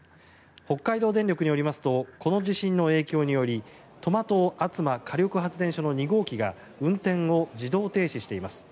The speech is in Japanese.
北海道電力によりますとこの地震の影響により苫東厚真火力発電所の２号機が運転を自動停止しています。